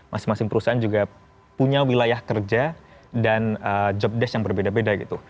masing masing perusahaan juga punya wilayah kerja dan jobdesk yang berbeda beda gitu